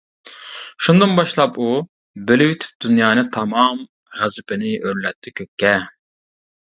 شۇندىن باشلاپ ئۇ، بۆلۈۋېتىپ دۇنيانى تامام، غەزىپىنى ئۆرلەتتى كۆككە.